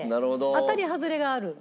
当たり外れがある。